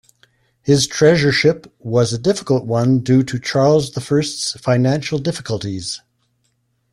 His treasurership was a difficult one due to Charles the First's financial difficulties.